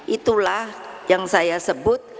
itulah yang saya sebut